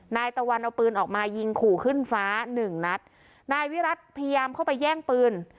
นายตะวันเอาปืนออกมายิงขู่ขึ้นฟ้าหนึ่งนัดนายวิรัติพยายามเข้าไปแย่งปืน